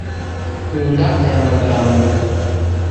Nkunda aya magambo.